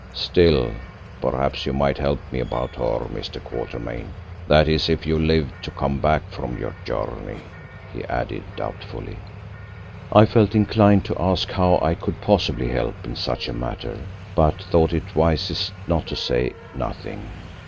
Still—perhaps you might help me about her, Mr. Quatermain, that is if you live to come back from your journey," he added doubtfully. I felt inclined to ask how I could possibly help in such a matter, but thought it wisest to say nothing.